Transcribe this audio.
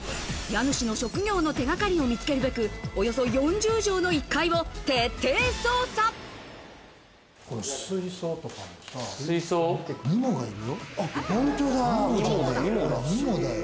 家主の職業の手掛かりを見つけるべく、およそ４０畳の１階を徹底水槽とかさ、ニモがいるよ。